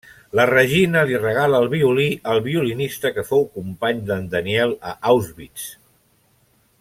La Regina li regala el violí al violinista que fou company d'en Daniel a Auschwitz.